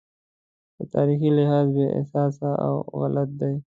په تاریخي لحاظ بې اساسه او غلط دی.